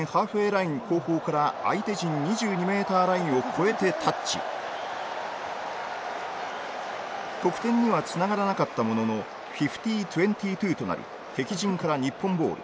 ライン後方から相手陣２２ｍラインを越えてタッチ得点にはつながらなかったものの５０：２２となり敵陣から日本ボール。